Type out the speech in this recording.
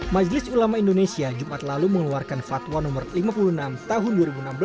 majelis ulama indonesia jumat lalu mengeluarkan fatwa nomor lima puluh enam tahun dua ribu enam belas